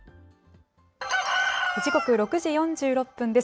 時刻６時４６分です。